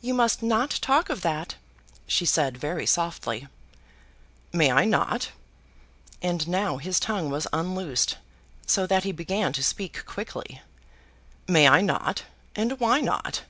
"You must not talk of that," she said, very softly. "May I not?" And now his tongue was unloosed, so that he began to speak quickly. "May I not? And why not?